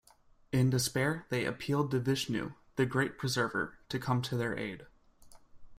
In despair, they appealed to Vishnu, the great Preserver, to come to their aid.